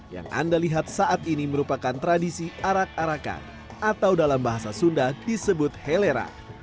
yang anda lihat saat ini merupakan tradisi arak arakan atau dalam bahasa sunda disebut helera